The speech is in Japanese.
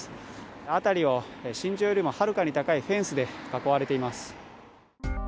辺りを身長よりもはるかに高いフェンスで囲われています。